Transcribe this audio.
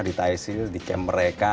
di thai seals di camp mereka